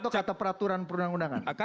atau kata peraturan perundang undangan